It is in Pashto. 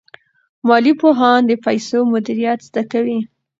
مالي پوهان د پیسو مدیریت زده کوي.